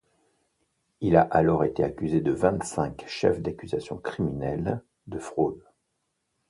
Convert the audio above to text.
Il a alors été accusé de vingt-cinq chefs d’accusation criminels de fraude.